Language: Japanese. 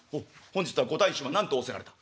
「本日は御大身は何と仰せられた？」。